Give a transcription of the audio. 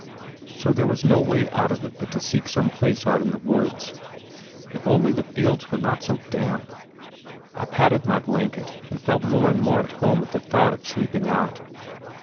So there was no way out of it but to seek some place out in the woods. If only the fields were not so damp. I patted my blanket, and felt more and more at home at the thought of sleeping out.